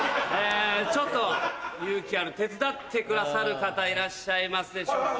ちょっと勇気ある手伝ってくださる方いらっしゃいますでしょうか。